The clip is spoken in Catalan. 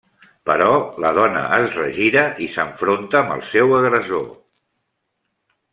Però la dona es regira i s'enfronta amb el seu agressor.